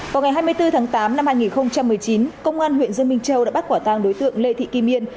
vào ngày hai mươi bốn tháng tám năm hai nghìn một mươi chín công an huyện dương minh châu đã bắt quả tang đối tượng lê thị kim